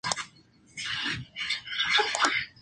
Marcus Errico, de E!